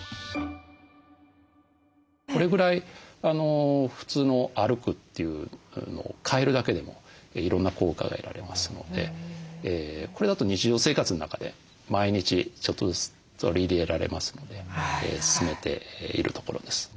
これぐらい普通の歩くというのを変えるだけでもいろんな効果が得られますのでこれだと日常生活の中で毎日ちょっとずつ取り入れられますので勧めているところです。